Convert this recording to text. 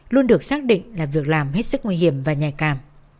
luôn được xác định là việc làm hết sức nguy hiểm và nhạy cảm